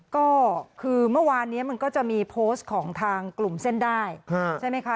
ก็คือเมื่อวานนี้มันก็จะมีโพสต์ของทางกลุ่มเส้นได้ใช่ไหมคะ